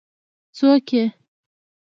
څوک يې؟